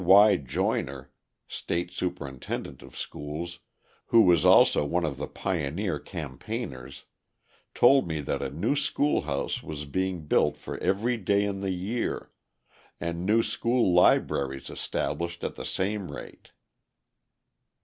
Y. Joyner, State Superintendent of Schools, who was also one of the pioneer campaigners, told me that a new school house was being built for every day in the year, and new school libraries established at the same rate.